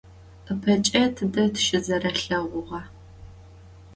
Ipeç'e tıde tışızerelheğuğa?